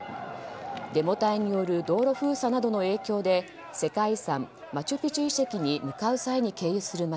デモ隊による道路封鎖などの影響で世界遺産マチュピチュ遺跡に向かう際に経由する街